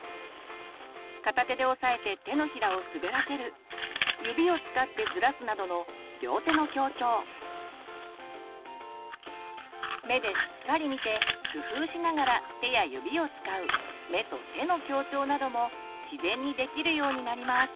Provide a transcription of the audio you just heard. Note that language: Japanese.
片手で押さえて手のひらを滑らせる指を使ってずらすなどの目でしっかり見て工夫しながら手や指を使う自然にできるようになります。